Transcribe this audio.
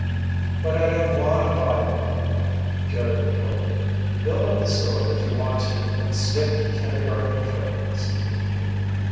"But I don't want a bodyguard," Jerry retorted. "Build up the story if you want to, but skip the kindergarten trimmings."